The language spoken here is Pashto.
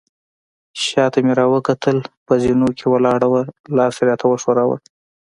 شاته مې راوکتل، په زینو کې ولاړه وه، لاس يې راته وښوراوه.